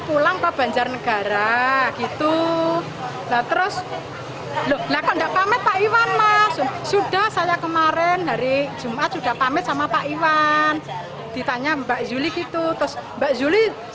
sudah saya kemarin hari jumat sudah pamit sama pak iwan ditanya mbak zulie gitu terus mbak zulie